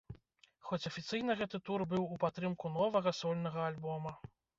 Хоць афіцыйна гэты тур быў у падтрымку новага сольнага альбома.